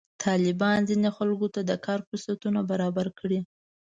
طالبانو ځینې خلکو ته کار فرصتونه برابر کړي.